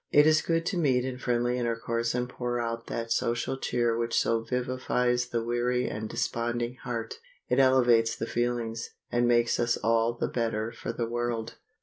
It is good to meet in friendly intercourse and pour out that social cheer which so vivifies the weary and desponding heart. It elevates the feelings, and makes us all the better for the world.